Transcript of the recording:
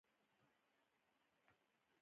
د ابتدايي روښانفکرۍ زړي په سخته کرل کېږي.